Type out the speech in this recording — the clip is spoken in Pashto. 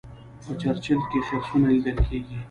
په چرچیل کې خرسونه لیدل کیږي.